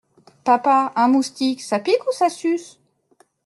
Papa, un moustique ça pique ou ça suce?